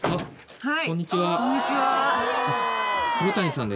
はい。